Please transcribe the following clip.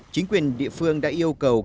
chính quyền địa phương đã yêu cầu trồng cây ngò